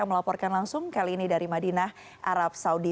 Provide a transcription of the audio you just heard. yang melaporkan langsung kali ini dari madinah arab saudi